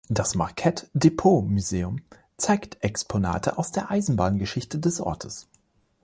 Das "Marquette Depot Museum" zeigt Exponate aus der Eisenbahngeschichte des Ortes.